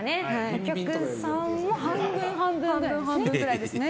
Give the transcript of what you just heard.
お客さんも半分半分くらいですね。